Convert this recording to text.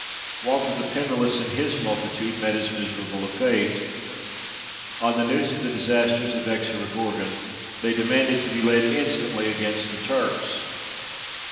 Walter the Pennyless and his multitude met as miserable a fate. On the news of the disasters of Exorogorgon, they demanded to be led instantly against the Turks.